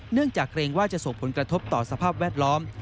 จากเกรงว่าจะส่งผลกระทบต่อสภาพแวดล้อม